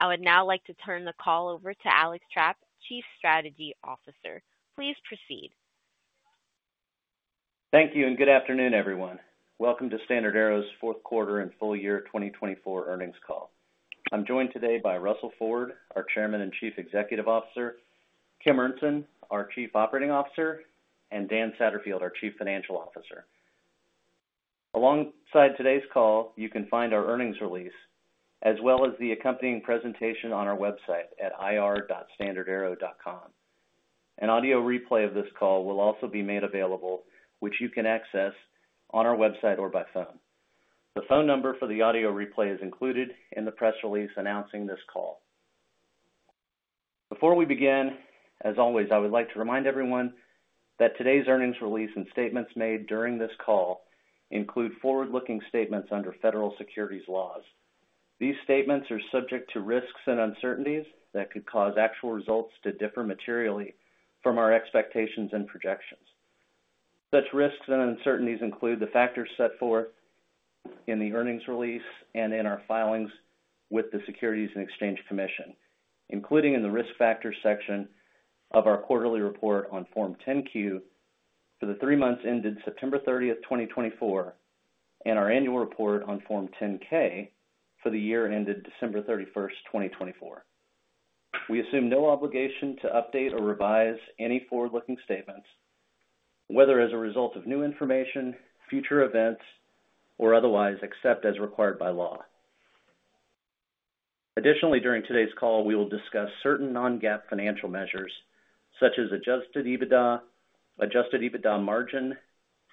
I would now like to turn the call over to Alex Trapp, Chief Strategy Officer. Please proceed. Thank you, and good afternoon, everyone. Welcome to StandardAero's fourth quarter and full year 2024 earnings call. I'm joined today by Russell Ford, our Chairman and Chief Executive Officer, Kim Ernzen, our Chief Operating Officer, and Dan Satterfield, our Chief Financial Officer. Alongside today's call, you can find our earnings release, as well as the accompanying presentation on our website at ir.standardaero.com. An audio replay of this call will also be made available, which you can access on our website or by phone. The phone number for the audio replay is included in the press release announcing this call. Before we begin, as always, I would like to remind everyone that today's earnings release and statements made during this call include forward-looking statements under federal securities laws. These statements are subject to risks and uncertainties that could cause actual results to differ materially from our expectations and projections. Such risks and uncertainties include the factors set forth in the earnings release and in our filings with the Securities and Exchange Commission, including in the risk factors section of our quarterly report on Form 10-Q for the three months ended September 30, 2024, and our annual report on Form 10-K for the year ended December 31, 2024. We assume no obligation to update or revise any forward-looking statements, whether as a result of new information, future events, or otherwise, except as required by law. Additionally, during today's call, we will discuss certain non-GAAP financial measures, such as adjusted EBITDA, adjusted EBITDA margin,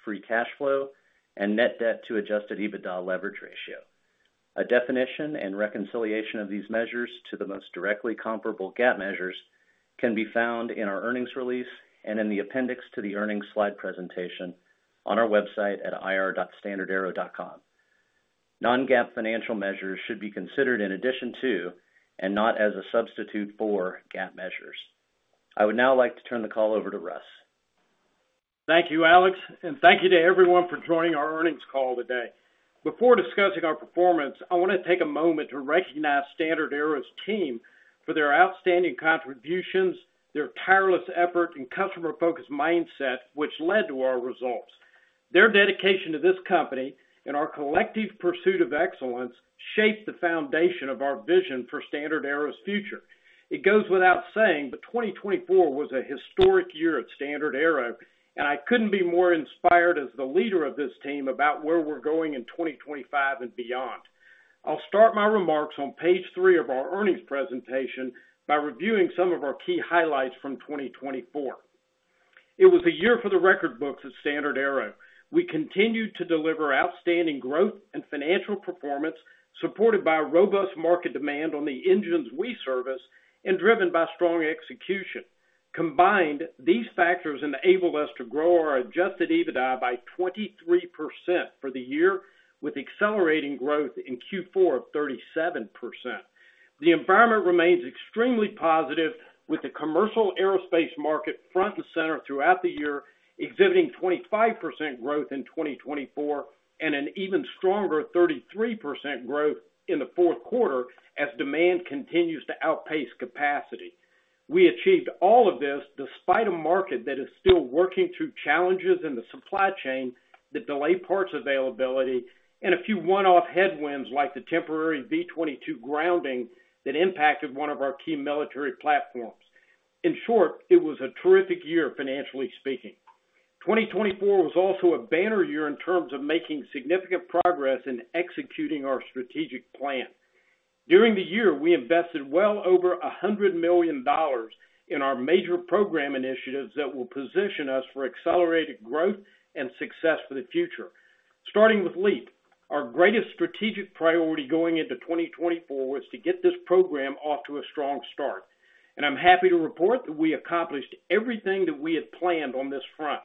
free cash flow, and net debt to adjusted EBITDA leverage ratio. A definition and reconciliation of these measures to the most directly comparable GAAP measures can be found in our earnings release and in the appendix to the earnings slide presentation on our website at ir.standardaero.com. Non-GAAP financial measures should be considered in addition to, and not as a substitute for, GAAP measures. I would now like to turn the call over to Russ. Thank you, Alex, and thank you to everyone for joining our earnings call today. Before discussing our performance, I want to take a moment to recognize StandardAero's team for their outstanding contributions, their tireless effort, and customer-focused mindset, which led to our results. Their dedication to this company and our collective pursuit of excellence shaped the foundation of our vision for StandardAero's future. It goes without saying, but 2024 was a historic year at StandardAero, and I couldn't be more inspired as the leader of this team about where we're going in 2025 and beyond. I'll start my remarks on page three of our earnings presentation by reviewing some of our key highlights from 2024. It was a year for the record books at StandardAero. We continued to deliver outstanding growth and financial performance, supported by robust market demand on the engines we service and driven by strong execution. Combined, these factors enabled us to grow our adjusted EBITDA by 23% for the year, with accelerating growth in Q4 of 37%. The environment remains extremely positive, with the commercial aerospace market front and center throughout the year, exhibiting 25% growth in 2024 and an even stronger 33% growth in the fourth quarter as demand continues to outpace capacity. We achieved all of this despite a market that is still working through challenges in the supply chain, the delayed parts availability, and a few one-off headwinds like the temporary V-22 grounding that impacted one of our key military platforms. In short, it was a terrific year, financially speaking. 2024 was also a banner year in terms of making significant progress in executing our strategic plan. During the year, we invested well over $100 million in our major program initiatives that will position us for accelerated growth and success for the future. Starting with LEAP, our greatest strategic priority going into 2024 was to get this program off to a strong start. I'm happy to report that we accomplished everything that we had planned on this front.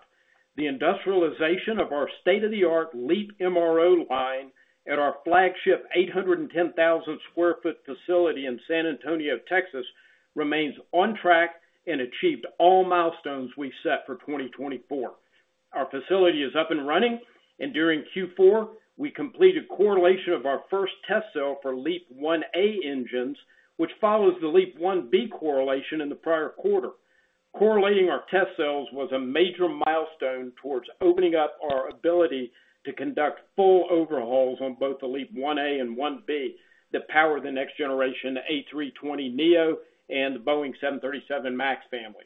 The industrialization of our state-of-the-art LEAP MRO line at our flagship 810,000 sq ft facility in San Antonio, Texas, remains on track and achieved all milestones we set for 2024. Our facility is up and running, and during Q4, we completed correlation of our first test cell for LEAP-1A engines, which follows the LEAP-1B correlation in the prior quarter. Correlating our test cells was a major milestone towards opening up our ability to conduct full overhauls on both the LEAP-1A and 1B that power the next generation A320neo and the Boeing 737 MAX family.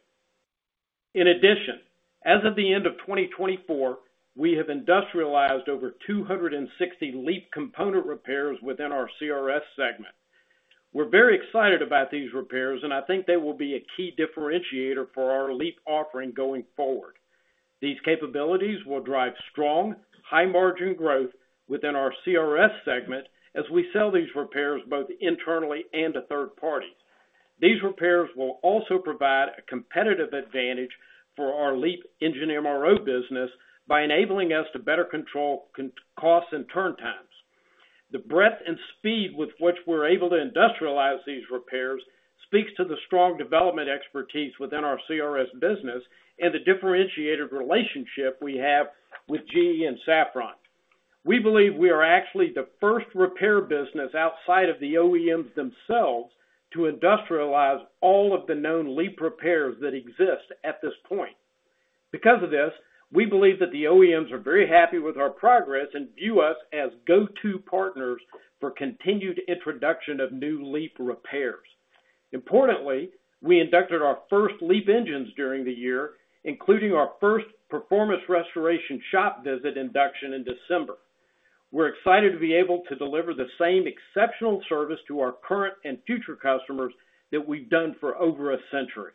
In addition, as of the end of 2024, we have industrialized over 260 LEAP component repairs within our CRS segment. We're very excited about these repairs, and I think they will be a key differentiator for our LEAP offering going forward. These capabilities will drive strong, high-margin growth within our CRS segment as we sell these repairs both internally and to third parties. These repairs will also provide a competitive advantage for our LEAP engine MRO business by enabling us to better control costs and turn times. The breadth and speed with which we're able to industrialize these repairs speaks to the strong development expertise within our CRS business and the differentiated relationship we have with GE and Safran. We believe we are actually the first repair business outside of the OEMs themselves to industrialize all of the known LEAP repairs that exist at this point. Because of this, we believe that the OEMs are very happy with our progress and view us as go-to partners for continued introduction of new LEAP repairs. Importantly, we inducted our first LEAP engines during the year, including our first performance restoration shop visit induction in December. We're excited to be able to deliver the same exceptional service to our current and future customers that we've done for over a century.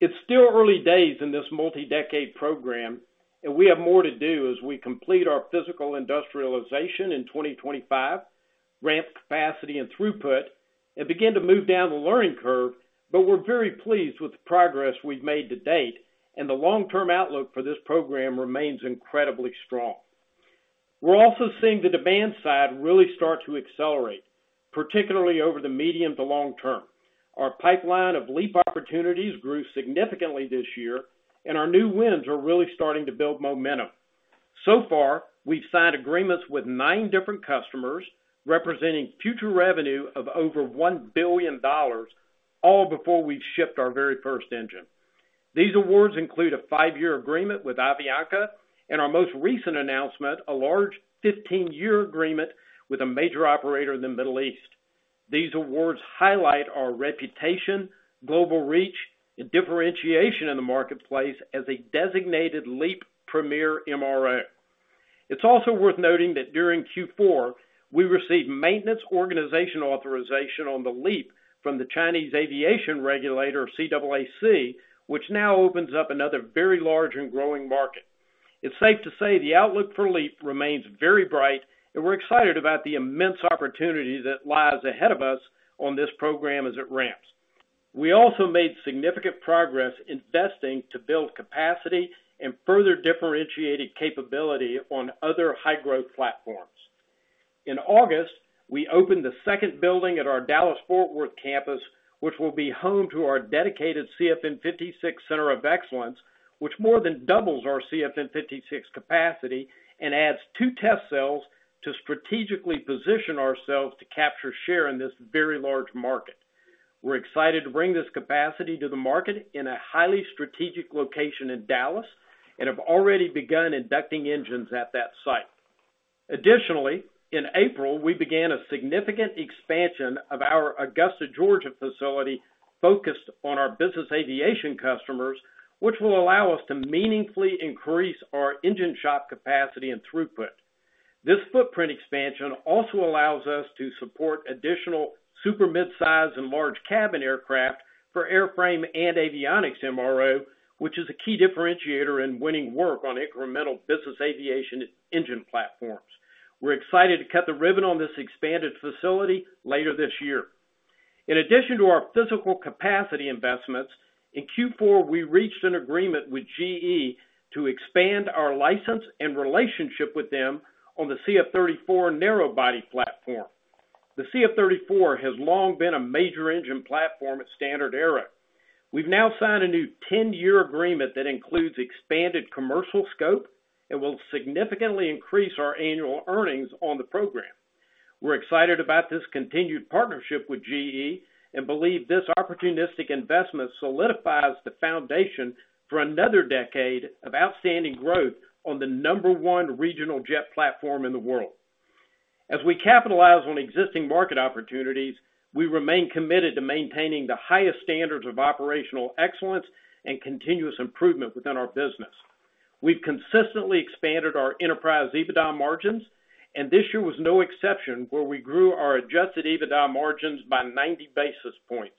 It's still early days in this multi-decade program, and we have more to do as we complete our physical industrialization in 2025, ramp capacity and throughput, and begin to move down the learning curve, but we're very pleased with the progress we've made to date, and the long-term outlook for this program remains incredibly strong. We're also seeing the demand side really start to accelerate, particularly over the medium to long term. Our pipeline of LEAP opportunities grew significantly this year, and our new wins are really starting to build momentum. So far, we've signed agreements with nine different customers representing future revenue of over $1 billion, all before we've shipped our very first engine. These awards include a five-year agreement with Avianca and our most recent announcement, a large 15-year agreement with a major operator in the Middle East. These awards highlight our reputation, global reach, and differentiation in the marketplace as a designated LEAP premier MRO. It's also worth noting that during Q4, we received maintenance organization authorization on the LEAP from the Chinese aviation regulator, CAAC, which now opens up another very large and growing market. It's safe to say the outlook for LEAP remains very bright, and we're excited about the immense opportunity that lies ahead of us on this program as it ramps. We also made significant progress investing to build capacity and further differentiated capability on other high-growth platforms. In August, we opened the second building at our Dallas-Fort Worth campus, which will be home to our dedicated CFM56 Center of Excellence, which more than doubles our CFM56 capacity and adds two test cells to strategically position ourselves to capture share in this very large market. We're excited to bring this capacity to the market in a highly strategic location in Dallas and have already begun inducting engines at that site. Additionally, in April, we began a significant expansion of our Augusta, Georgia facility focused on our business aviation customers, which will allow us to meaningfully increase our engine shop capacity and throughput. This footprint expansion also allows us to support additional super mid-size and large cabin aircraft for airframe and avionics MRO, which is a key differentiator in winning work on incremental business aviation engine platforms. We're excited to cut the ribbon on this expanded facility later this year. In addition to our physical capacity investments, in Q4, we reached an agreement with GE to expand our license and relationship with them on the CF34 narrowbody platform. The CF34 has long been a major engine platform at StandardAero. We've now signed a new 10-year agreement that includes expanded commercial scope and will significantly increase our annual earnings on the program. We're excited about this continued partnership with GE and believe this opportunistic investment solidifies the foundation for another decade of outstanding growth on the number one regional jet platform in the world. As we capitalize on existing market opportunities, we remain committed to maintaining the highest standards of operational excellence and continuous improvement within our business. We've consistently expanded our enterprise EBITDA margins, and this year was no exception where we grew our adjusted EBITDA margins by 90 basis points.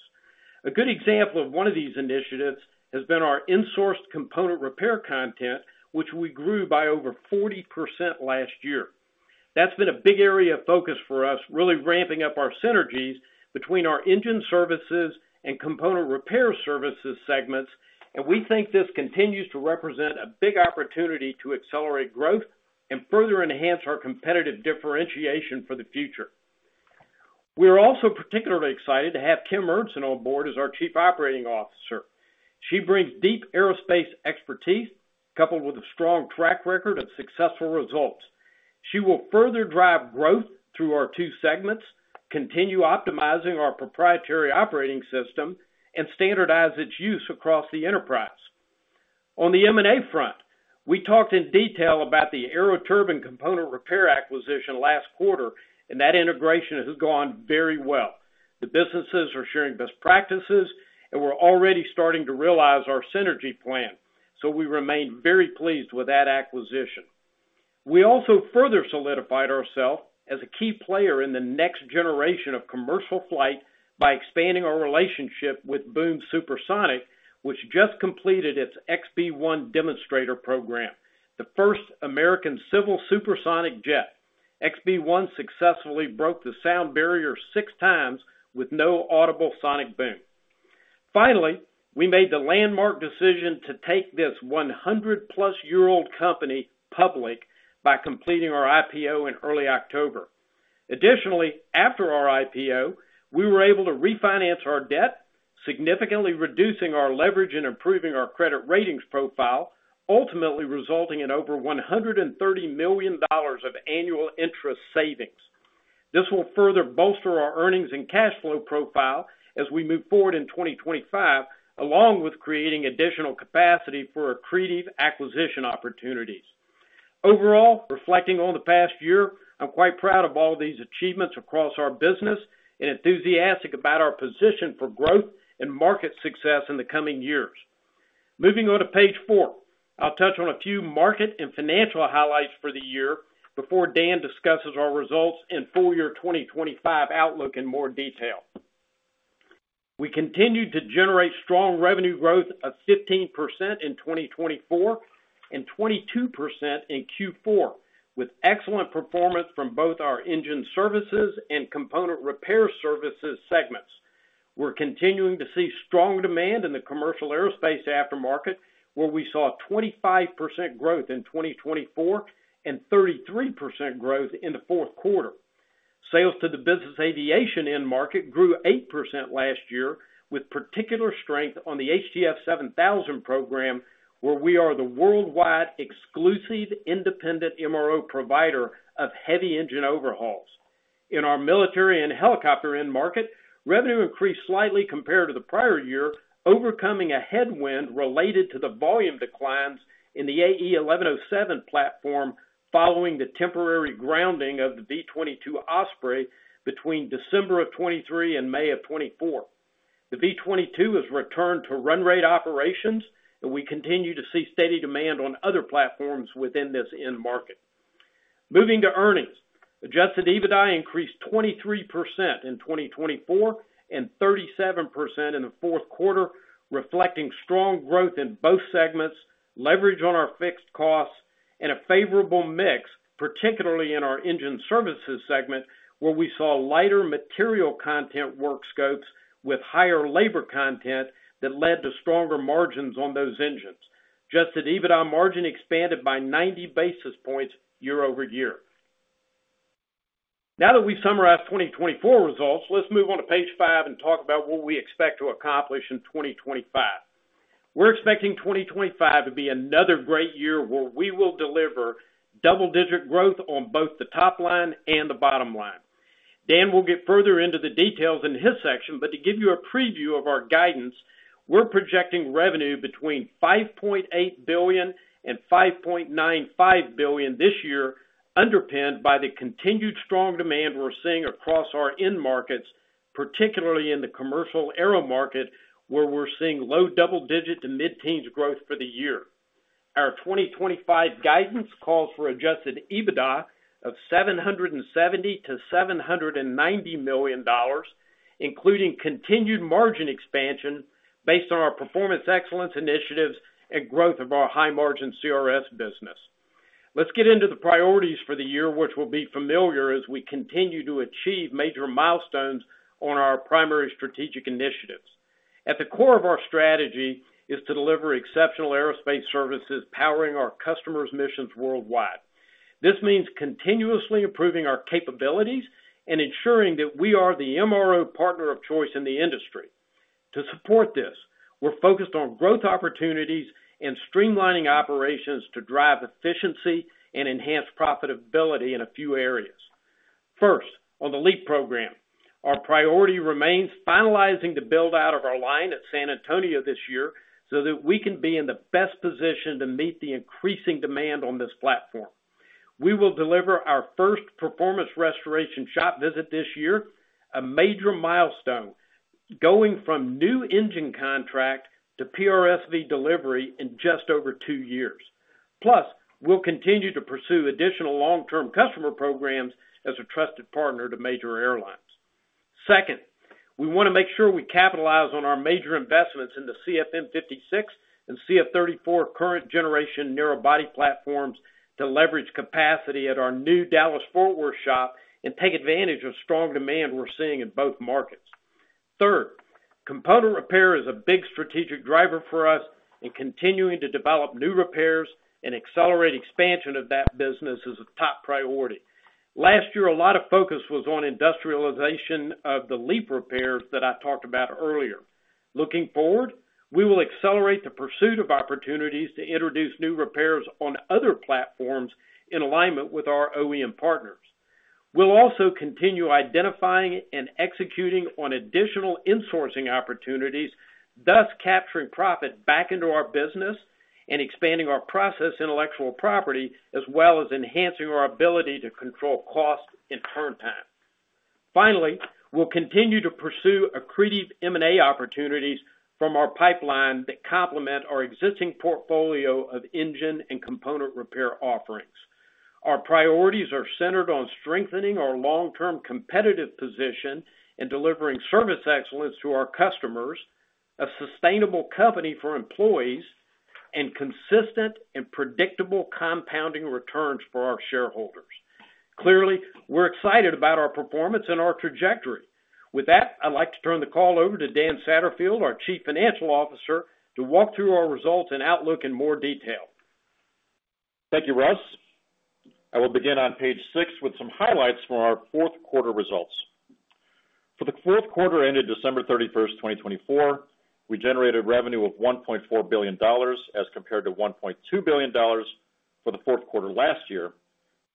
A good example of one of these initiatives has been our insourced component repair content, which we grew by over 40% last year. That's been a big area of focus for us, really ramping up our synergies between our engine services and component repair services segments, and we think this continues to represent a big opportunity to accelerate growth and further enhance our competitive differentiation for the future. We are also particularly excited to have Kim Ernzen on board as our Chief Operating Officer. She brings deep aerospace expertise coupled with a strong track record of successful results. She will further drive growth through our two segments, continue optimizing our proprietary operating system, and standardize its use across the enterprise. On the M&A front, we talked in detail about the AeroTurbine component repair acquisition last quarter, and that integration has gone very well. The businesses are sharing best practices, and we're already starting to realize our synergy plan, so we remain very pleased with that acquisition. We also further solidified ourselves as a key player in the next generation of commercial flight by expanding our relationship with Boom Supersonic, which just completed its XB-1 demonstrator program, the first American civil supersonic jet. XB-1 successfully broke the sound barrier six times with no audible sonic boom. Finally, we made the landmark decision to take this 100-plus-year-old company public by completing our IPO in early October. Additionally, after our IPO, we were able to refinance our debt, significantly reducing our leverage and improving our credit ratings profile, ultimately resulting in over $130 million of annual interest savings. This will further bolster our earnings and cash flow profile as we move forward in 2025, along with creating additional capacity for accretive acquisition opportunities. Overall, reflecting on the past year, I'm quite proud of all these achievements across our business and enthusiastic about our position for growth and market success in the coming years. Moving on to page four, I'll touch on a few market and financial highlights for the year before Dan discusses our results and full year 2025 outlook in more detail. We continued to generate strong revenue growth of 15% in 2024 and 22% in Q4 with excellent performance from both our engine services and component repair services segments. We're continuing to see strong demand in the commercial aerospace aftermarket, where we saw 25% growth in 2024 and 33% growth in the fourth quarter. Sales to the business aviation end market grew 8% last year with particular strength on the HTF7000 program, where we are the worldwide exclusive independent MRO provider of heavy engine overhauls. In our military and helicopter end market, revenue increased slightly compared to the prior year, overcoming a headwind related to the volume declines in the AE 1107 platform following the temporary grounding of the V-22 Osprey between December of 2023 and May of 2024. The V-22 has returned to run rate operations, and we continue to see steady demand on other platforms within this end market. Moving to earnings, adjusted EBITDA increased 23% in 2024 and 37% in the fourth quarter, reflecting strong growth in both segments, leverage on our fixed costs, and a favorable mix, particularly in our engine services segment, where we saw lighter material content work scopes with higher labor content that led to stronger margins on those engines. Adjusted EBITDA margin expanded by 90 basis points year over year. Now that we've summarized 2024 results, let's move on to page five and talk about what we expect to accomplish in 2025. We're expecting 2025 to be another great year where we will deliver double-digit growth on both the top line and the bottom line. Dan will get further into the details in his section, but to give you a preview of our guidance, we're projecting revenue between $5.8 billion and $5.95 billion this year, underpinned by the continued strong demand we're seeing across our end markets, particularly in the commercial aero market, where we're seeing low double-digit to mid-teens growth for the year. Our 2025 guidance calls for adjusted EBITDA of $770-$790 million, including continued margin expansion based on our performance excellence initiatives and growth of our high-margin CRS business. Let's get into the priorities for the year, which will be familiar as we continue to achieve major milestones on our primary strategic initiatives. At the core of our strategy is to deliver exceptional aerospace services powering our customers' missions worldwide. This means continuously improving our capabilities and ensuring that we are the MRO partner of choice in the industry. To support this, we're focused on growth opportunities and streamlining operations to drive efficiency and enhance profitability in a few areas. First, on the LEAP program, our priority remains finalizing the build-out of our line at San Antonio this year so that we can be in the best position to meet the increasing demand on this platform. We will deliver our first performance restoration shop visit this year, a major milestone going from new engine contract to PRSV delivery in just over two years. Plus, we'll continue to pursue additional long-term customer programs as a trusted partner to major airlines. Second, we want to make sure we capitalize on our major investments in the CFM56 and CF34 current-generation narrowbody platforms to leverage capacity at our new Dallas-Fort Worth shop and take advantage of strong demand we're seeing in both markets. Third, component repair is a big strategic driver for us, and continuing to develop new repairs and accelerate expansion of that business is a top priority. Last year, a lot of focus was on industrialization of the LEAP repairs that I talked about earlier. Looking forward, we will accelerate the pursuit of opportunities to introduce new repairs on other platforms in alignment with our OEM partners. We'll also continue identifying and executing on additional insourcing opportunities, thus capturing profit back into our business and expanding our process intellectual property, as well as enhancing our ability to control cost and turn time. Finally, we'll continue to pursue accretive M&A opportunities from our pipeline that complement our existing portfolio of engine and component repair offerings. Our priorities are centered on strengthening our long-term competitive position and delivering service excellence to our customers, a sustainable company for employees, and consistent and predictable compounding returns for our shareholders. Clearly, we're excited about our performance and our trajectory. With that, I'd like to turn the call over to Dan Satterfield, our Chief Financial Officer, to walk through our results and outlook in more detail. Thank you, Russ. I will begin on page six with some highlights for our fourth quarter results. For the fourth quarter ended December 31, 2024, we generated revenue of $1.4 billion as compared to $1.2 billion for the fourth quarter last year,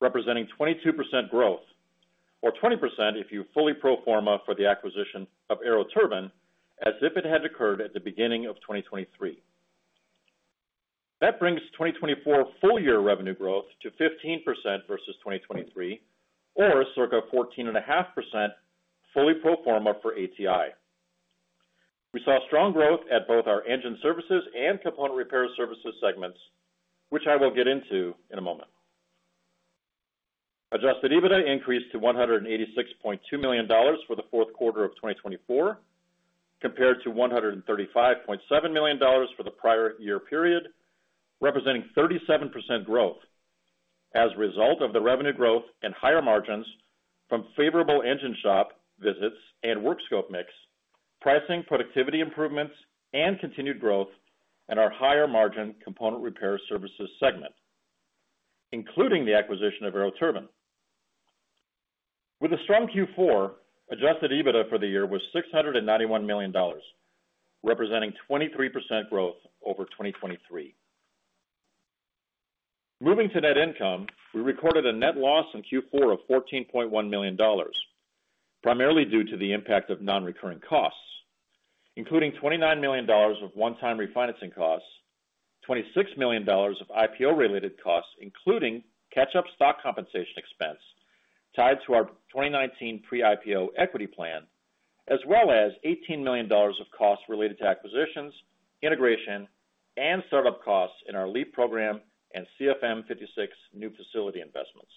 representing 22% growth, or 20% if you fully pro forma for the acquisition of AeroTurbine as if it had occurred at the beginning of 2023. That brings 2024 full year revenue growth to 15% versus 2023, or circa 14.5% fully pro forma for ATI. We saw strong growth at both our engine services and component repair services segments, which I will get into in a moment. Adjusted EBITDA increased to $186.2 million for the fourth quarter of 2024, compared to $135.7 million for the prior year period, representing 37% growth as a result of the revenue growth and higher margins from favorable engine shop visits and work scope mix, pricing productivity improvements, and continued growth in our higher margin component repair services segment, including the acquisition of AeroTurbine. With a strong Q4, adjusted EBITDA for the year was $691 million, representing 23% growth over 2023. Moving to net income, we recorded a net loss in Q4 of $14.1 million, primarily due to the impact of non-recurring costs, including $29 million of one-time refinancing costs, $26 million of IPO-related costs, including catch-up stock compensation expense tied to our 2019 pre-IPO equity plan, as well as $18 million of costs related to acquisitions, integration, and startup costs in our LEAP program and CFM56 new facility investments.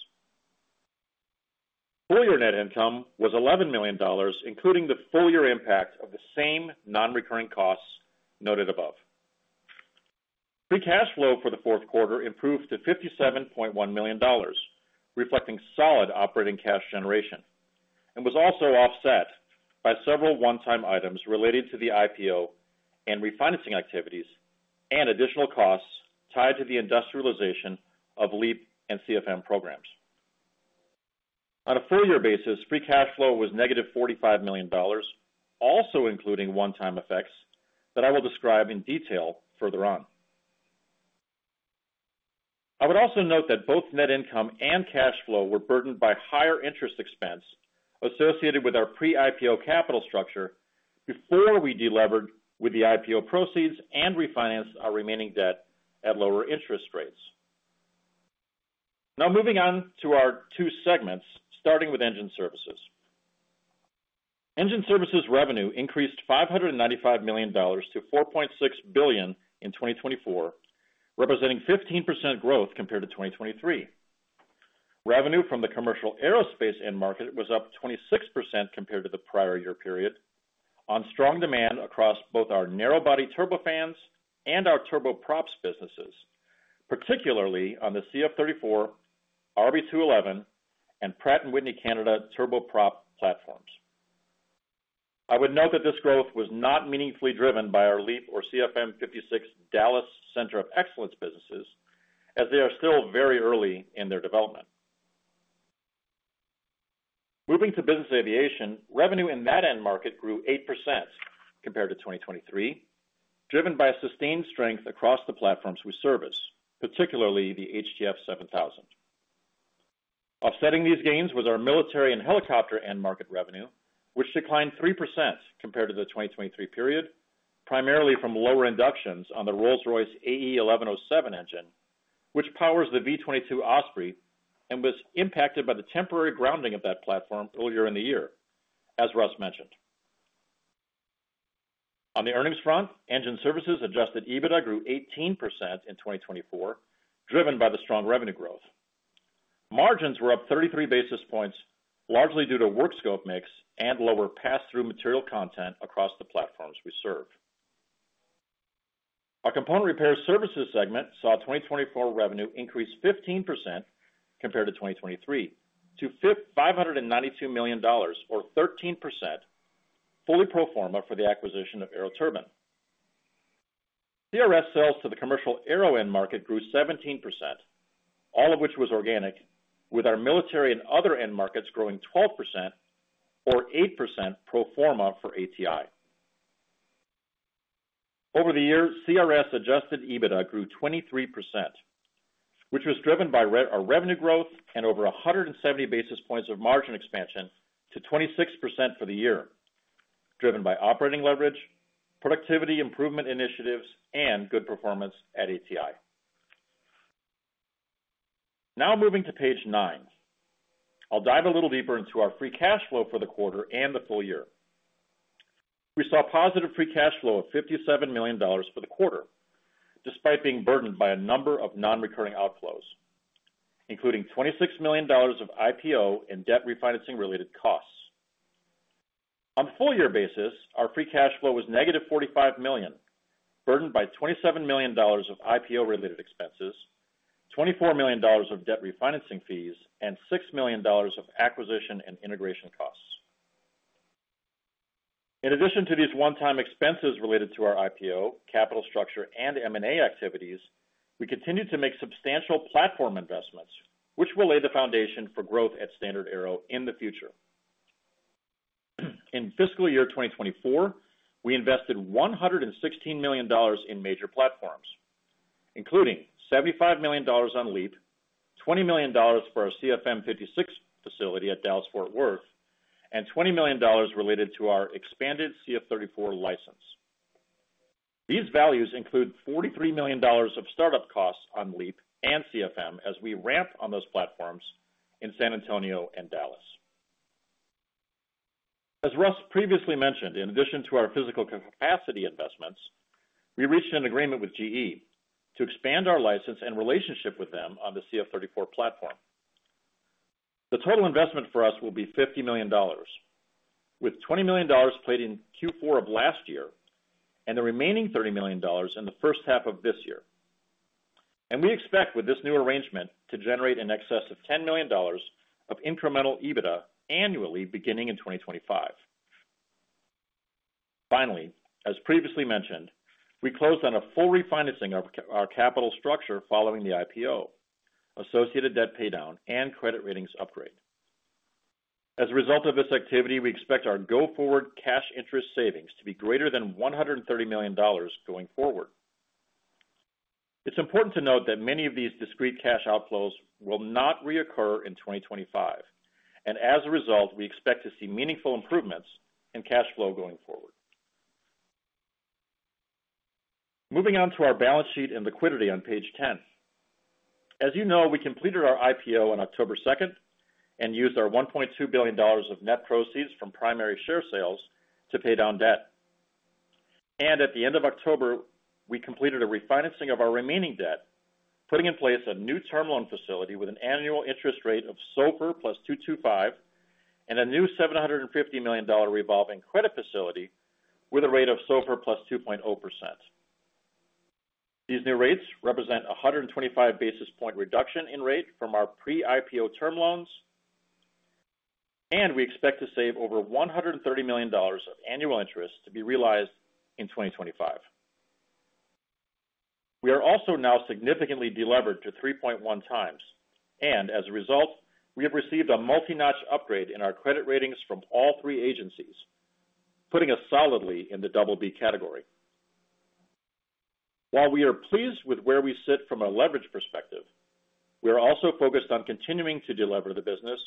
Full year net income was $11 million, including the full year impact of the same non-recurring costs noted above. Free cash flow for the fourth quarter improved to $57.1 million, reflecting solid operating cash generation, and was also offset by several one-time items related to the IPO and refinancing activities and additional costs tied to the industrialization of LEAP and CFM programs. On a full year basis, free cash flow was negative $45 million, also including one-time effects that I will describe in detail further on. I would also note that both net income and cash flow were burdened by higher interest expense associated with our pre-IPO capital structure before we delevered with the IPO proceeds and refinanced our remaining debt at lower interest rates. Now, moving on to our two segments, starting with engine services. Engine services revenue increased $595 million to $4.6 billion in 2024, representing 15% growth compared to 2023. Revenue from the commercial aerospace end market was up 26% compared to the prior year period on strong demand across both our narrowbody turbofans and our turboprops businesses, particularly on the CF34, RB211, and Pratt & Whitney Canada turboprop platforms. I would note that this growth was not meaningfully driven by our LEAP or CFM56 Dallas Center of Excellence businesses, as they are still very early in their development. Moving to business aviation, revenue in that end market grew 8% compared to 2023, driven by sustained strength across the platforms we service, particularly the HTF7000. Offsetting these gains was our military and helicopter end market revenue, which declined 3% compared to the 2023 period, primarily from lower inductions on the Rolls-Royce AE 1107 engine, which powers the V-22 Osprey and was impacted by the temporary grounding of that platform earlier in the year, as Russ mentioned. On the earnings front, engine services adjusted EBITDA grew 18% in 2024, driven by the strong revenue growth. Margins were up 33 basis points, largely due to work scope mix and lower pass-through material content across the platforms we serve. Our component repair services segment saw 2024 revenue increase 15% compared to 2023 to $592 million, or 13% fully pro forma for the acquisition of AeroTurbine. CRS sales to the commercial aero end market grew 17%, all of which was organic, with our military and other end markets growing 12%, or 8% pro forma for ATI. Over the year, CRS adjusted EBITDA grew 23%, which was driven by our revenue growth and over 170 basis points of margin expansion to 26% for the year, driven by operating leverage, productivity improvement initiatives, and good performance at ATI. Now, moving to page nine, I'll dive a little deeper into our free cash flow for the quarter and the full year. We saw positive free cash flow of $57 million for the quarter, despite being burdened by a number of non-recurring outflows, including $26 million of IPO and debt refinancing-related costs. On the full year basis, our free cash flow was negative $45 million, burdened by $27 million of IPO-related expenses, $24 million of debt refinancing fees, and $6 million of acquisition and integration costs. In addition to these one-time expenses related to our IPO, capital structure, and M&A activities, we continued to make substantial platform investments, which will lay the foundation for growth at StandardAero in the future. In fiscal year 2024, we invested $116 million in major platforms, including $75 million on LEAP, $20 million for our CFM56 facility at Dallas-Fort Worth, and $20 million related to our expanded CF34 license. These values include $43 million of startup costs on LEAP and CFM as we ramp on those platforms in San Antonio and Dallas. As Russ previously mentioned, in addition to our physical capacity investments, we reached an agreement with GE to expand our license and relationship with them on the CF34 platform. The total investment for us will be $50 million, with $20 million paid in Q4 of last year and the remaining $30 million in the first half of this year. We expect, with this new arrangement, to generate in excess of $10 million of incremental EBITDA annually beginning in 2025. Finally, as previously mentioned, we closed on a full refinancing of our capital structure following the IPO, associated debt paydown, and credit ratings upgrade. As a result of this activity, we expect our go-forward cash interest savings to be greater than $130 million going forward. It's important to note that many of these discrete cash outflows will not reoccur in 2025, and as a result, we expect to see meaningful improvements in cash flow going forward. Moving on to our balance sheet and liquidity on page 10. As you know, we completed our IPO on October 2nd and used our $1.2 billion of net proceeds from primary share sales to pay down debt. At the end of October, we completed a refinancing of our remaining debt, putting in place a new term loan facility with an annual interest rate of SOFR plus 225 and a new $750 million revolving credit facility with a rate of SOFR plus 2.0%. These new rates represent a 125 basis point reduction in rate from our pre-IPO term loans, and we expect to save over $130 million of annual interest to be realized in 2025. We are also now significantly delivered to 3.1 times, and as a result, we have received a multi-notch upgrade in our credit ratings from all three agencies, putting us solidly in the Double B category. While we are pleased with where we sit from a leverage perspective, we are also focused on continuing to deliver the business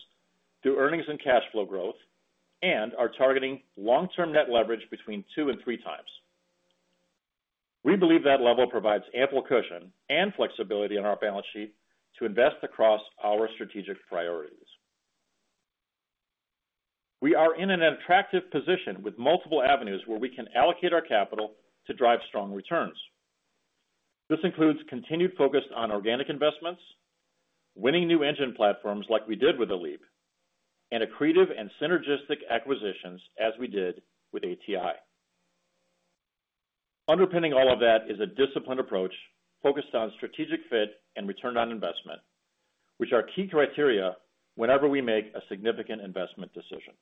through earnings and cash flow growth and are targeting long-term net leverage between two and three times. We believe that level provides ample cushion and flexibility on our balance sheet to invest across our strategic priorities. We are in an attractive position with multiple avenues where we can allocate our capital to drive strong returns. This includes continued focus on organic investments, winning new engine platforms like we did with the LEAP, and accretive and synergistic acquisitions as we did with ATI. Underpinning all of that is a disciplined approach focused on strategic fit and return on investment, which are key criteria whenever we make a significant investment decision.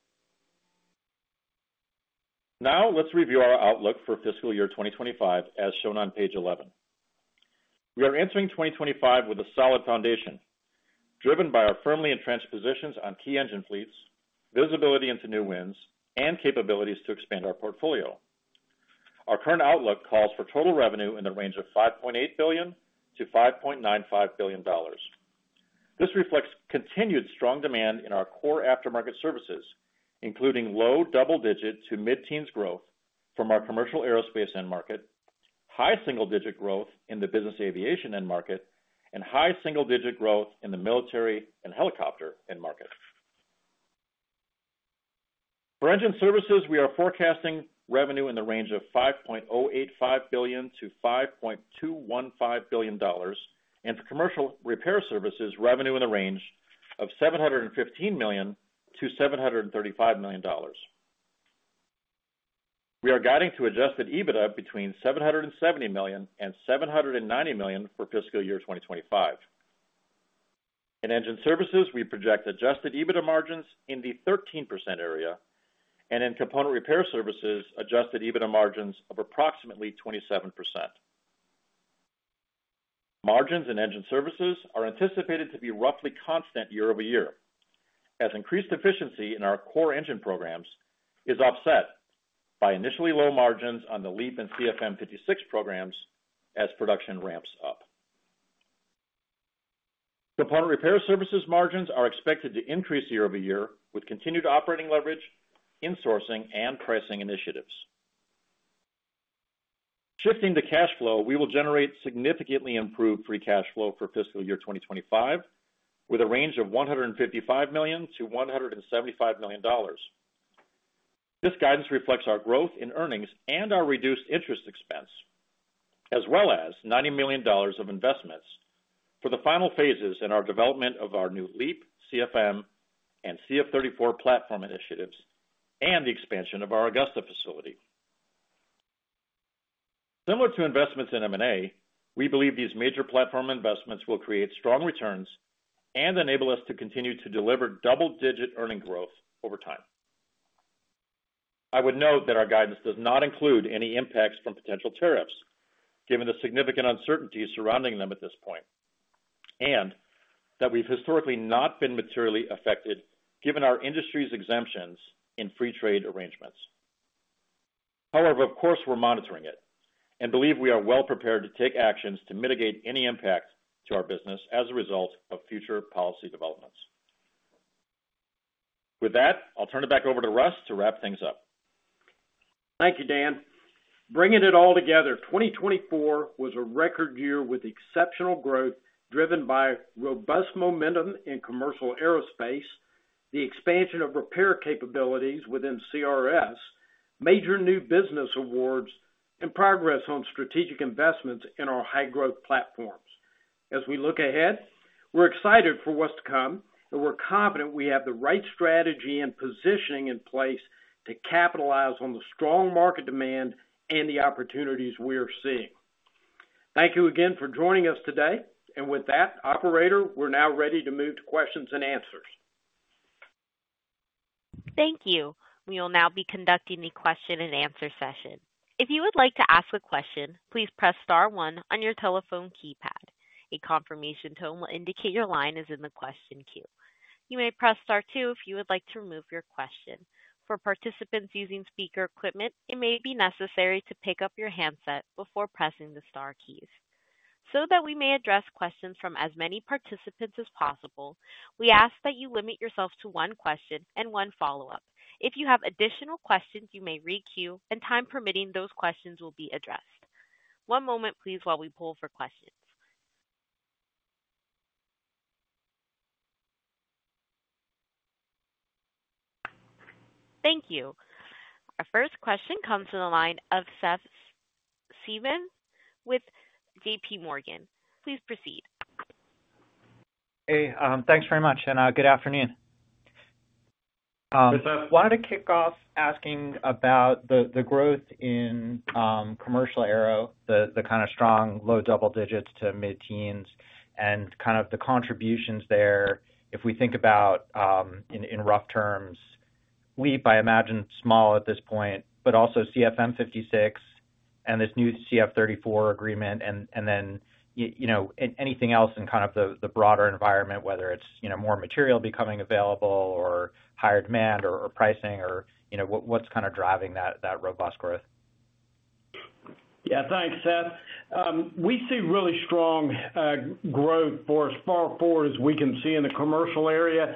Now, let's review our outlook for fiscal year 2025 as shown on page 11. We are entering 2025 with a solid foundation, driven by our firmly entrenched positions on key engine fleets, visibility into new winds, and capabilities to expand our portfolio. Our current outlook calls for total revenue in the range of $5.8 billion-$5.95 billion. This reflects continued strong demand in our core aftermarket services, including low double-digit to mid-teens growth from our commercial aerospace end market, high single-digit growth in the business aviation end market, and high single-digit growth in the military and helicopter end market. For engine services, we are forecasting revenue in the range of $5.085 billion-$5.215 billion, and for Component Repair Services, revenue in the range of $715 million-$735 million. We are guiding to adjusted EBITDA between $770 million and $790 million for fiscal year 2025. In engine services, we project adjusted EBITDA margins in the 13% area, and in component repair services, adjusted EBITDA margins of approximately 27%. Margins in engine services are anticipated to be roughly constant year over year, as increased efficiency in our core engine programs is offset by initially low margins on the LEAP and CFM56 programs as production ramps up. Component repair services margins are expected to increase year over year with continued operating leverage, insourcing, and pricing initiatives. Shifting to cash flow, we will generate significantly improved free cash flow for fiscal year 2025, with a range of $155 million-$175 million. This guidance reflects our growth in earnings and our reduced interest expense, as well as $90 million of investments for the final phases in our development of our new LEAP, CFM, and CF34 platform initiatives, and the expansion of our Augusta facility. Similar to investments in M&A, we believe these major platform investments will create strong returns and enable us to continue to deliver double-digit earning growth over time. I would note that our guidance does not include any impacts from potential tariffs, given the significant uncertainty surrounding them at this point, and that we've historically not been materially affected, given our industry's exemptions in free trade arrangements. However, of course, we're monitoring it and believe we are well prepared to take actions to mitigate any impact to our business as a result of future policy developments. With that, I'll turn it back over to Russ to wrap things up. Thank you, Dan. Bringing it all together, 2024 was a record year with exceptional growth driven by robust momentum in commercial aerospace, the expansion of repair capabilities within CRS, major new business awards, and progress on strategic investments in our high-growth platforms. As we look ahead, we're excited for what's to come, and we're confident we have the right strategy and positioning in place to capitalize on the strong market demand and the opportunities we are seeing. Thank you again for joining us today. With that, Operator, we're now ready to move to questions and answers. Thank you. We will now be conducting the question and answer session. If you would like to ask a question, please press star one on your telephone keypad. A confirmation tone will indicate your line is in the question queue. You may press star two if you would like to remove your question. For participants using speaker equipment, it may be necessary to pick up your handset before pressing the star keys. That we may address questions from as many participants as possible, we ask that you limit yourself to one question and one follow-up. If you have additional questions, you may re-queue, and time permitting, those questions will be addressed. One moment, please, while we pull for questions. Thank you. Our first question comes from the line of Seth Seifman with JP Morgan. Please proceed. Hey, thanks very much, and good afternoon. Hey, Seth. I wanted to kick off asking about the growth in commercial aero, the kind of strong low double digits to mid-teens, and kind of the contributions there. If we think about in rough terms, LEAP, I imagine, small at this point, but also CFM56 and this new CF34 agreement, and then anything else in kind of the broader environment, whether it's more material becoming available or higher demand or pricing, or what's kind of driving that robust growth? Yeah, thanks, Seth. We see really strong growth for as far forward as we can see in the commercial area.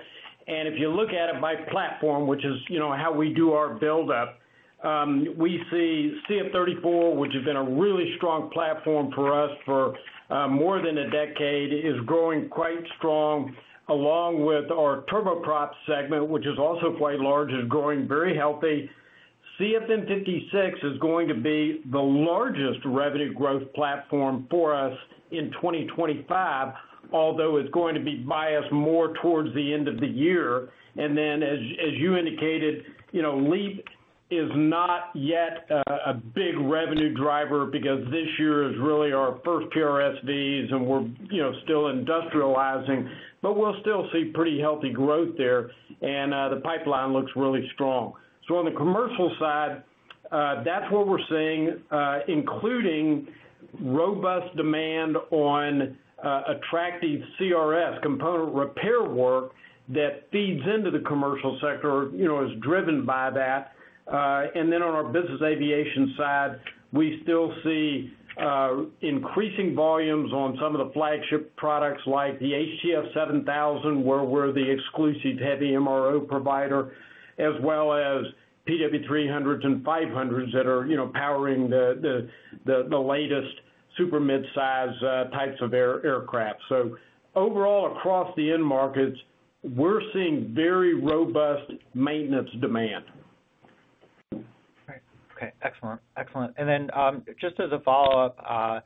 If you look at it by platform, which is how we do our build-up, we see CF34, which has been a really strong platform for us for more than a decade, is growing quite strong, along with our turboprop segment, which is also quite large, is growing very healthy. CFM56 is going to be the largest revenue growth platform for us in 2025, although it's going to be biased more towards the end of the year. As you indicated, LEAP is not yet a big revenue driver because this year is really our first PRSVs, and we're still industrializing, but we'll still see pretty healthy growth there, and the pipeline looks really strong. On the commercial side, that's what we're seeing, including robust demand on attractive CRS component repair work that feeds into the commercial sector, is driven by that. On our business aviation side, we still see increasing volumes on some of the flagship products like the HTF7000, where we're the exclusive heavy MRO provider, as well as PW300s and 500s that are powering the latest super mid-size types of aircraft. Overall, across the end markets, we're seeing very robust maintenance demand. Okay, excellent. Excellent. Just as a follow-up,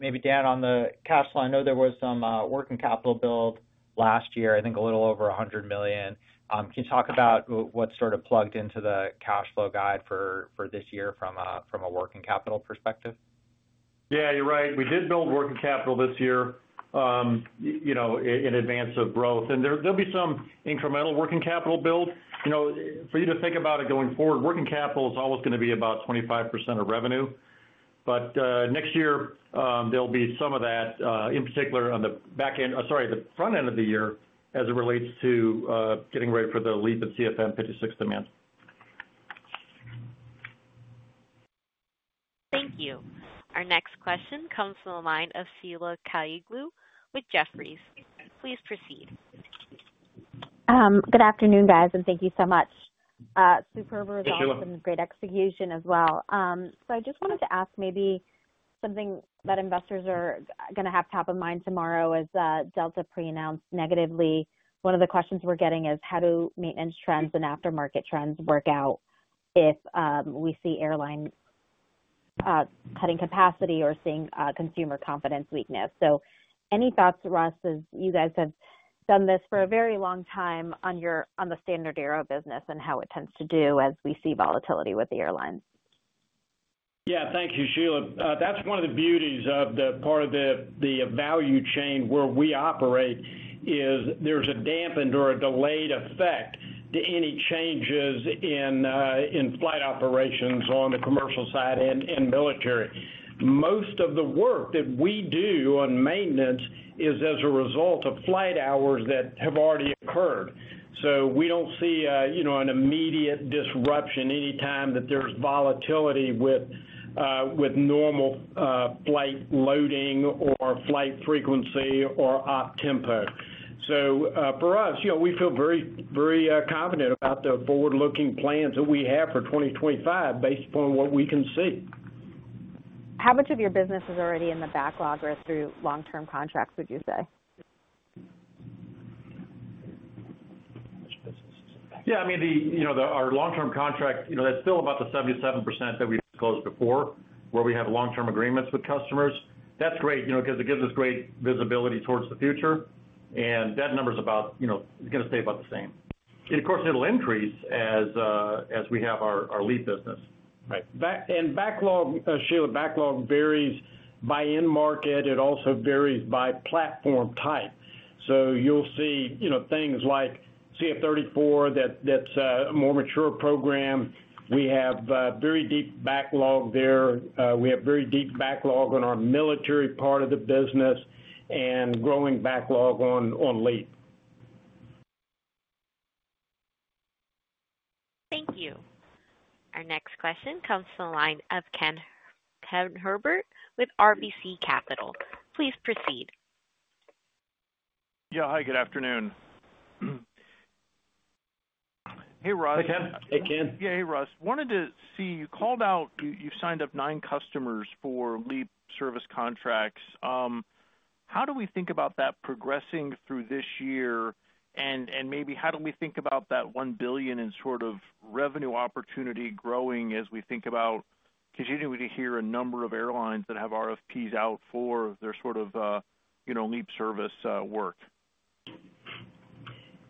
maybe Dan on the cash flow, I know there was some working capital billed last year, I think a little over $100 million. Can you talk about what sort of plugged into the cash flow guide for this year from a working capital perspective? Yeah, you're right. We did build working capital this year in advance of growth, and there'll be some incremental working capital billed. For you to think about it going forward, working capital is always going to be about 25% of revenue, but next year, there'll be some of that, in particular on the back end, sorry, the front end of the year as it relates to getting ready for the LEAP and CFM56 demands. Thank you. Our next question comes from the line of Sheila Kahyaoglu with Jefferies. Please proceed. Good afternoon, guys, and thank you so much. Superb results and great execution as well. I just wanted to ask maybe something that investors are going to have top of mind tomorrow as Delta pre-announced negatively. One of the questions we're getting is how do maintenance trends and aftermarket trends work out if we see airline cutting capacity or seeing consumer confidence weakness? Any thoughts, Russ, as you guys have done this for a very long time on the StandardAero business and how it tends to do as we see volatility with the airlines? Thank you, Sheila. That's one of the beauties of the part of the value chain where we operate is there's a dampened or a delayed effect to any changes in flight operations on the commercial side and military. Most of the work that we do on maintenance is as a result of flight hours that have already occurred. We don't see an immediate disruption anytime that there's volatility with normal flight loading or flight frequency or op tempo. For us, we feel very confident about the forward-looking plans that we have for 2025 based upon what we can see. How much of your business is already in the backlog or through long-term contracts, would you say? Yeah, I mean, our long-term contract, that's still about the 77% that we disclosed before, where we have long-term agreements with customers. That's great because it gives us great visibility towards the future, and that number is about, it's going to stay about the same. Of course, it'll increase as we have our LEAP business. Backlog, Sheila, backlog varies by end market. It also varies by platform type. You'll see things like CF34, that's a more mature program. We have very deep backlog there. We have very deep backlog on our military part of the business and growing backlog on LEAP. Thank you. Our next question comes from the line of Ken Herbert with RBC Capital. Please proceed. Yeah, hi, good afternoon. Hey, Russ. Hey, Ken. Hey, Ken. Yeah, hey, Russ. Wanted to see you called out, you signed up nine customers for LEAP service contracts. How do we think about that progressing through this year? And maybe how do we think about that $1 billion in sort of revenue opportunity growing as we think about continuing to hear a number of airlines that have RFPs out for their sort of LEAP service work?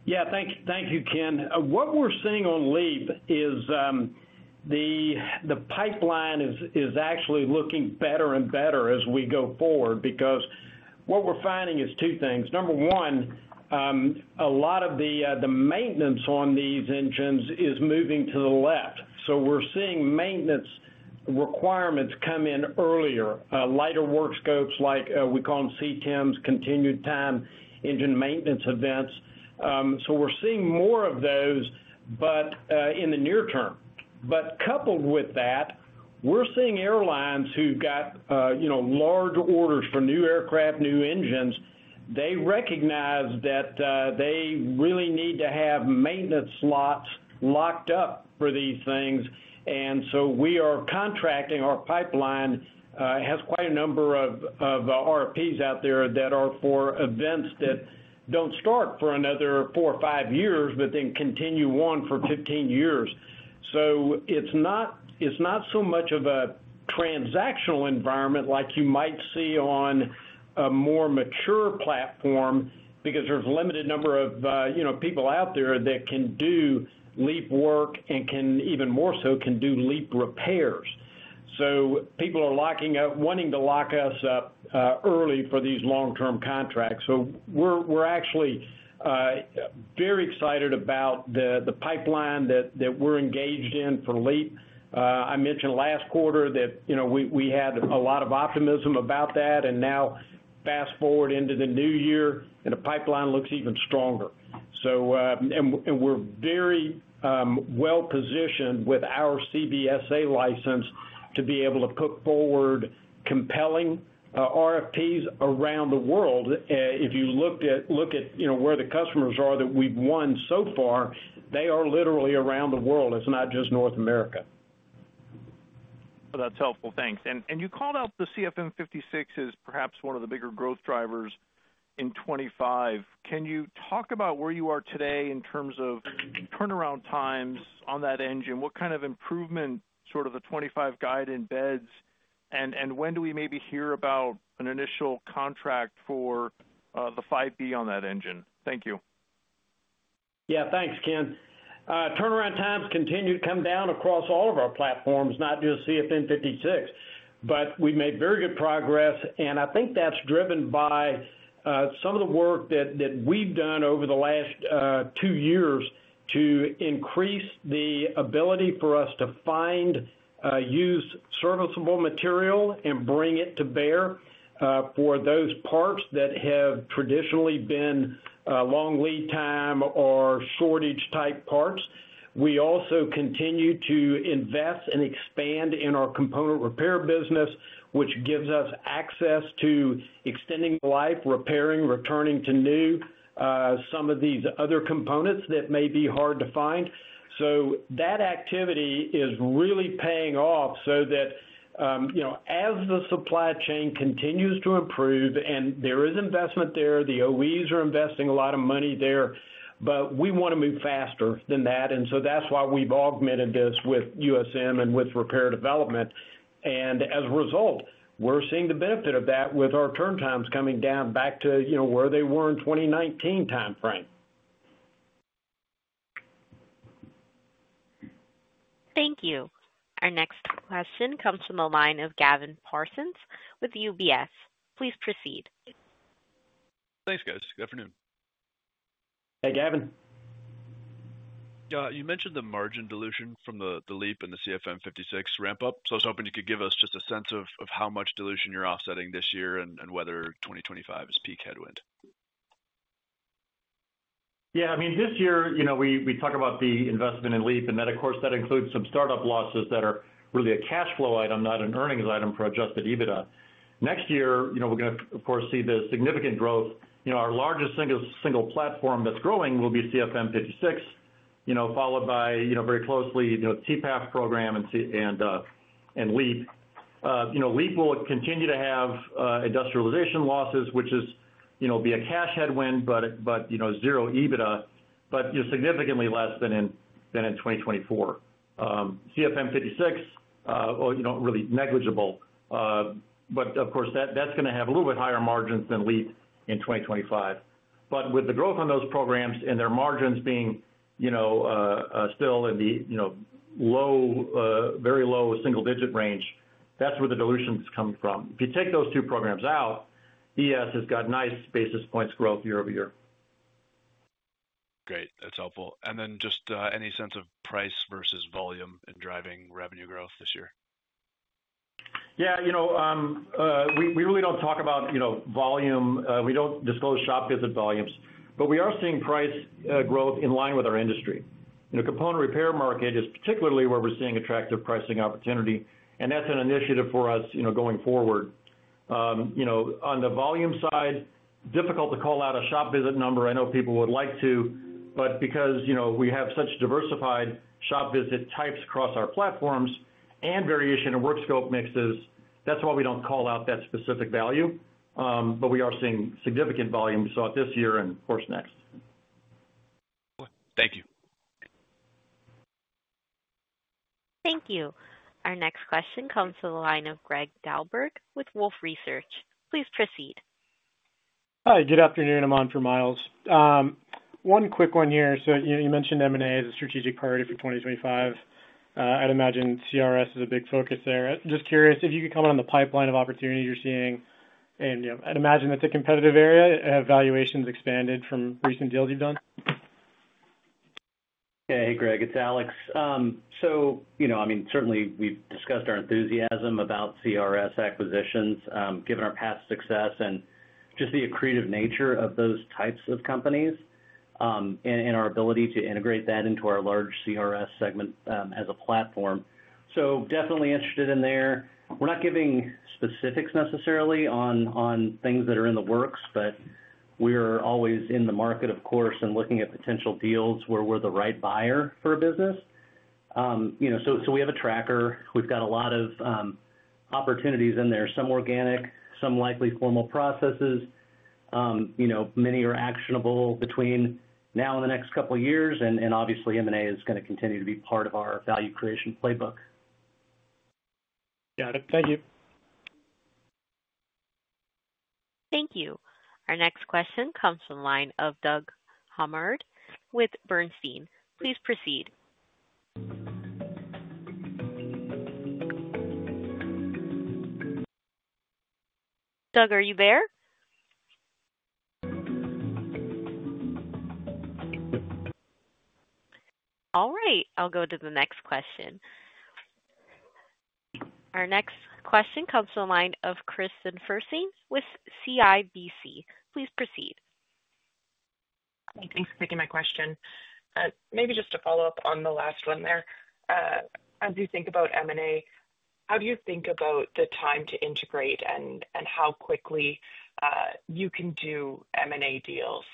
Yeah, thank you, Ken. What we're seeing on LEAP is the pipeline is actually looking better and better as we go forward because what we're finding is two things. Number one, a lot of the maintenance on these engines is moving to the left. We are seeing maintenance requirements come in earlier, lighter work scopes like we call them CTEMs, continued time engine maintenance events. We are seeing more of those in the near term. Coupled with that, we are seeing airlines who've got large orders for new aircraft, new engines. They recognize that they really need to have maintenance slots locked up for these things. We are contracting. Our pipeline has quite a number of RFPs out there that are for events that do not start for another four or five years, but then continue on for 15 years. It is not so much of a transactional environment like you might see on a more mature platform because there is a limited number of people out there that can do LEAP work and even more so can do LEAP repairs. People are wanting to lock us up early for these long-term contracts. We are actually very excited about the pipeline that we are engaged in for LEAP. I mentioned last quarter that we had a lot of optimism about that, and now fast forward into the new year, and the pipeline looks even stronger. We are very well positioned with our CBSA license to be able to put forward compelling RFPs around the world. If you look at where the customers are that we have won so far, they are literally around the world. It is not just North America. That is helpful. Thanks. You called out the CFM56 as perhaps one of the bigger growth drivers in 2025. Can you talk about where you are today in terms of turnaround times on that engine? What kind of improvement, sort of the 2025 guide embeds, and when do we maybe hear about an initial contract for the 5B on that engine? Thank you. Yeah, thanks, Ken. Turnaround times continue to come down across all of our platforms, not just CFM56, but we've made very good progress, and I think that's driven by some of the work that we've done over the last two years to increase the ability for us to find used serviceable material and bring it to bear for those parts that have traditionally been long lead time or shortage-type parts. We also continue to invest and expand in our component repair business, which gives us access to extending life, repairing, returning to new, some of these other components that may be hard to find. That activity is really paying off so that as the supply chain continues to improve and there is investment there, the OEs are investing a lot of money there, but we want to move faster than that. That is why we've augmented this with USM and with repair development. As a result, we're seeing the benefit of that with our turn times coming down back to where they were in the 2019 timeframe. Thank you. Our next question comes from the line of Gavin Parsons with UBS. Please proceed. Thanks, guys. Good afternoon. Hey, Gavin. Yeah, you mentioned the margin dilution from the LEAP and the CFM56 ramp-up. I was hoping you could give us just a sense of how much dilution you're offsetting this year and whether 2025 is peak headwind. Yeah, I mean, this year, we talk about the investment in LEAP, and that, of course, that includes some startup losses that are really a cash flow item, not an earnings item for adjusted EBITDA. Next year, we're going to, of course, see the significant growth. Our largest single platform that's growing will be CFM56, followed very closely by the TP&F program and LEAP. LEAP will continue to have industrialization losses, which will be a cash headwind, but zero EBITDA, but significantly less than in 2024. CFM56, really negligible. Of course, that's going to have a little bit higher margins than LEAP in 2025. With the growth on those programs and their margins being still in the very low single-digit range, that's where the dilutions come from. If you take those two programs out, ES has got nice basis points growth year over year. Great. That's helpful. Just any sense of price versus volume in driving revenue growth this year? Yeah, we really don't talk about volume. We don't disclose shop visit volumes, but we are seeing price growth in line with our industry. The component repair market is particularly where we're seeing attractive pricing opportunity, and that's an initiative for us going forward. On the volume side, difficult to call out a shop visit number. I know people would like to, but because we have such diversified shop visit types across our platforms and variation in work scope mixes, that's why we don't call out that specific value. We are seeing significant volume we saw this year and, of course, next. Thank you. Thank you. Our next question comes from the line of Greg Dahlberg with Wolfe Research. Please proceed. Hi, good afternoon. I'm on for Myles. One quick one here. You mentioned M&A as a strategic priority for 2025. I'd imagine CRS is a big focus there. Just curious if you could comment on the pipeline of opportunity you're seeing. I'd imagine that's a competitive area. Have valuations expanded from recent deals you've done? Hey, Gregg. It's Alex. I mean, certainly, we've discussed our enthusiasm about CRS acquisitions given our past success and just the accretive nature of those types of companies and our ability to integrate that into our large CRS segment as a platform. Definitely interested in there. We're not giving specifics necessarily on things that are in the works, but we're always in the market, of course, and looking at potential deals where we're the right buyer for a business. So we have a tracker. We've got a lot of opportunities in there, some organic, some likely formal processes. Many are actionable between now and the next couple of years, and obviously, M&A is going to continue to be part of our value creation playbook. Got it. Thank you. Thank you. Our next question comes from the line of Doug Harned with Bernstein. Please proceed. Doug, are you there? All right. I'll go to the next question. Our next question comes from the line of Kristine Fersing with CIBC. Please proceed. Thanks for taking my question. Maybe just to follow up on the last one there. As you think about M&A, how do you think about the time to integrate and how quickly you can do M&A deals?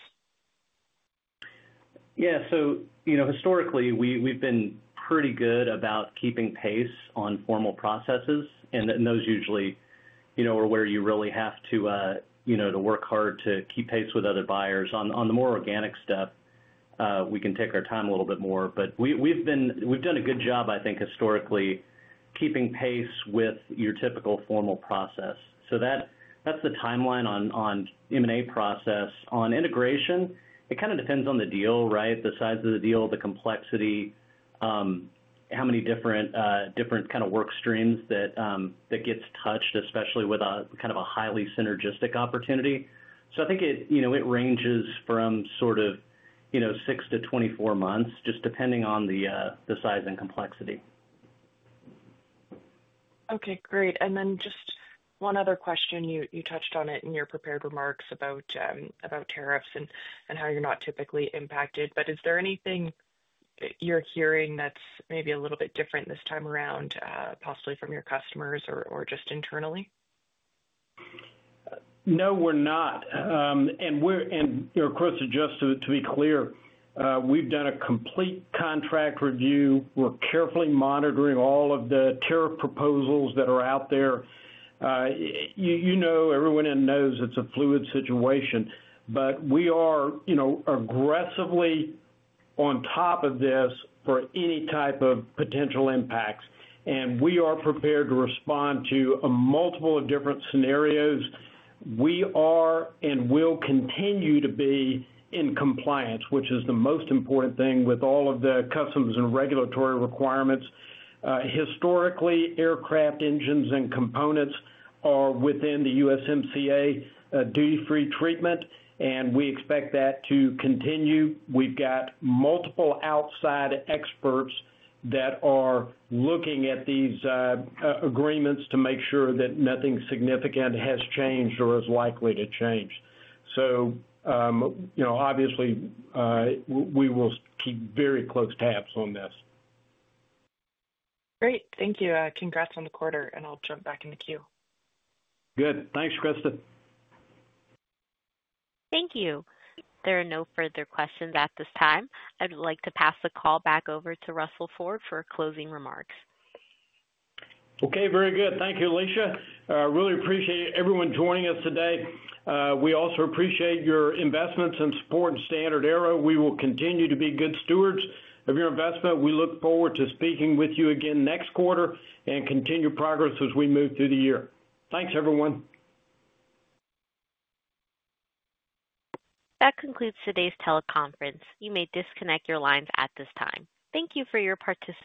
Yeah, so historically, we've been pretty good about keeping pace on formal processes, and those usually are where you really have to work hard to keep pace with other buyers. On the more organic stuff, we can take our time a little bit more. We've done a good job, I think, historically, keeping pace with your typical formal process. That's the timeline on M&A process. On integration, it kind of depends on the deal, right? The size of the deal, the complexity, how many different kind of work streams that get touched, especially with kind of a highly synergistic opportunity. I think it ranges from 6-24 months, just depending on the size and complexity. Okay. Great. Just one other question. You touched on it in your prepared remarks about tariffs and how you're not typically impacted. Is there anything you're hearing that's maybe a little bit different this time around, possibly from your customers or just internally? No, we're not. Of course, just to be clear, we've done a complete contract review. We're carefully monitoring all of the tariff proposals that are out there. Everyone knows it's a fluid situation, but we are aggressively on top of this for any type of potential impacts. We are prepared to respond to a multiple of different scenarios. We are and will continue to be in compliance, which is the most important thing, with all of the customs and regulatory requirements. Historically, aircraft engines and components are within the USMCA duty-free treatment, and we expect that to continue. We've got multiple outside experts that are looking at these agreements to make sure that nothing significant has changed or is likely to change. Obviously, we will keep very close tabs on this. Great. Thank you. Congrats on the quarter, and I'll jump back in the queue. Good. Thanks, Kristine. Thank you. There are no further questions at this time. I'd like to pass the call back over to Russell Ford for closing remarks. Okay. Very good. Thank you, Alicia. I really appreciate everyone joining us today. We also appreciate your investments and support in StandardAero. We will continue to be good stewards of your investment. We look forward to speaking with you again next quarter and continue progress as we move through the year. Thanks, everyone. That concludes today's teleconference. You may disconnect your lines at this time. Thank you for your participation.